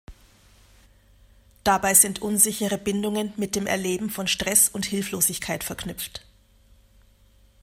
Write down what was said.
Dabei sind unsichere Bindungen mit dem Erleben von Stress und Hilflosigkeit verknüpft.